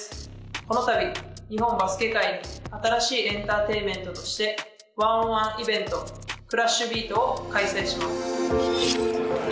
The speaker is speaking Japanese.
この度日本バスケ界に新しいエンターテイメントとして１ｏｎ１イベントＣＬＡＳＨＢＥＡＴを開催します。